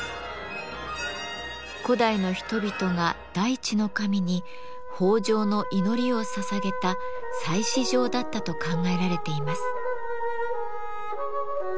古代の人々が大地の神に豊穣の祈りをささげた祭祀場だったと考えられています。